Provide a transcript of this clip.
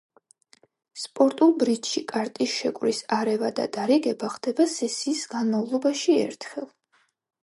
სპორტულ ბრიჯში კარტის შეკვრის არევა და დარიგება ხდება სესიის განმავლობაში ერთხელ.